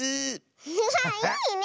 アハハいいね